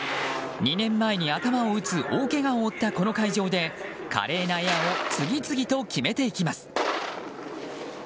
２年前に頭を打つ大けがを負ったこの会場で華麗なエアを次々と決めていきます。